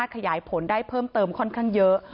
ขยายผลได้เพิ่มเติมค่อนข้างเยอะ